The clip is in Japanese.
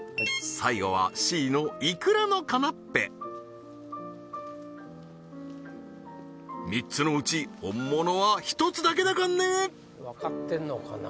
最後はＣのいくらのカナッペ３つのうち本物は１つだけだかんねわかってんのかな？